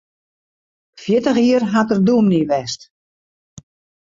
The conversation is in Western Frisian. Fjirtich jier hat er dûmny west.